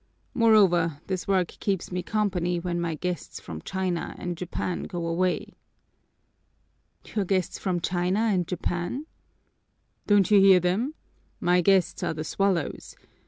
Moreover, this work keeps me company when my guests from China and Japan go away." "Your guests from China and Japan?" "Don't you hear them? My guests are the swallows.